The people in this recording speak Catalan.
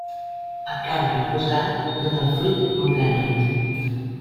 El camp reposat dóna el fruit molt granat.